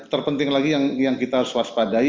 terpenting lagi yang kita harus waspadai